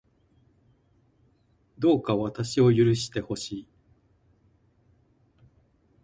どうか私を許してほしい